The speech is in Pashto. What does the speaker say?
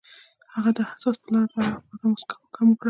هغې د حساس لاره په اړه خوږه موسکا هم وکړه.